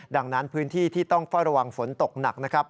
ดังนั้นพื้นที่ที่ต้องเฝ้าระวังฝนตกหนักนะครับ